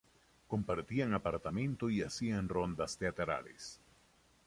Compartían apartamento y hacían rondas teatrales.